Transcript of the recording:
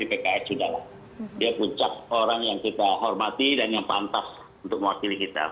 di pks sudah dia puncak orang yang kita hormati dan yang pantas untuk mewakili kita tapi perlu